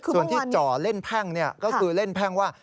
ส่วนที่จ่อเล่นแพ่งก็คือเล่นแพ่งว่า